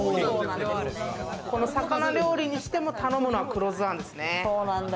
魚料理にしても頼むのは黒酢あんですね。